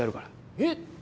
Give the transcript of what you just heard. えっ？